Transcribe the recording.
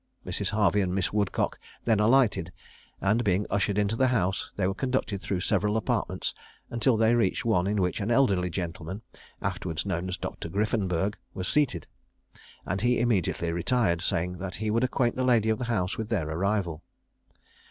Mrs. Harvey and Miss Woodcock then alighted, and being ushered into the house, they were conducted through several apartments until they reached one in which an elderly gentleman, afterwards known as Dr. Griffenburg, was seen seated; and he immediately retired, saying that he would acquaint the lady of the house with their arrival.